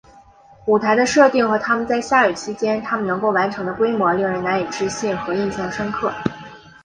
舞台的设定和他们在下雨期间他们能够完成的规模令人难以置信和印象深刻。